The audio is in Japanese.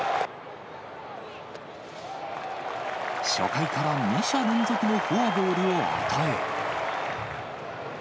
初回から２者連続のフォアボールを与え。